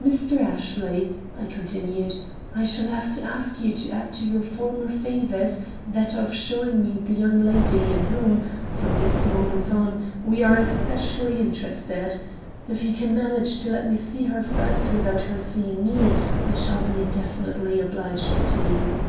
"Mr. Ashley," I continued, "I shall have to ask you to add to your former favors that of showing me the young lady in whom, from this moment on, we are especially interested. If you can manage to let me see her first without her seeing me, I shall be infinitely obliged to you."